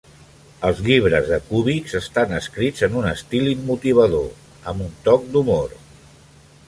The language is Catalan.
Els llibres de Kubiks estan escrits en un estil motivador, amb un toc d'humor.